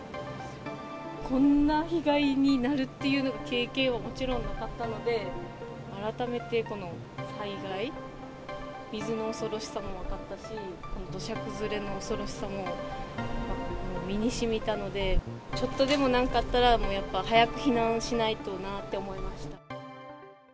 こんな被害になるっていう経験はもちろんなかったので、改めてこの災害、水の恐ろしさも分かったし、土砂崩れの恐ろしさも身にしみたので、ちょっとでも何かあったら、やっぱ早く避難しないとなって思いました。